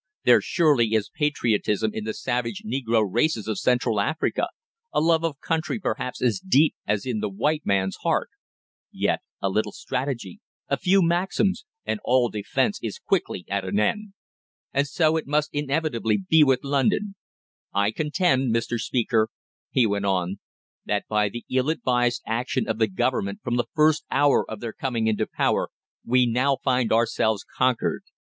There surely is patriotism in the savage negro races of Central Africa, a love of country perhaps as deep as in the white man's heart; yet a little strategy, a few Maxims, and all defence is quickly at an end. And so it must inevitably be with London. I contend, Mr. Speaker," he went on, "that by the ill advised action of the Government from the first hour of their coming into power, we now find ourselves conquered.